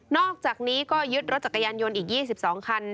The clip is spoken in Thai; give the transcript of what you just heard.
อกจากนี้ก็ยึดรถจักรยานยนต์อีก๒๒คัน